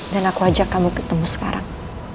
dan aku ajak kamu ketemu sekarang